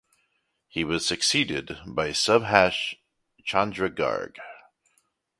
He was succeeded by Subhash Chandra Garg.